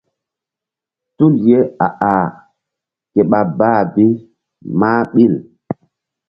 Tul ye a-ah ke ɓa bah bi mah ɓil.